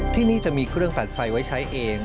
ที่นี่จะมีเครื่องปั่นไฟไว้ใช้เอง